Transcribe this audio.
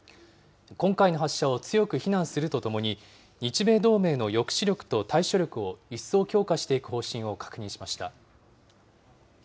今回の発射を強く非難するとともに、日米同盟の抑止力と対処力を一層強化していく方針を確認しました。